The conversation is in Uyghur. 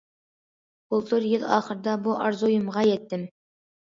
بۇلتۇر يىل ئاخىرىدا بۇ ئارزۇيۇمغا يەتتىم.